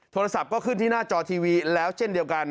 โทรศัพท์ก็ขึ้นที่หน้าจอทีวีแล้วเช่นเดียวกัน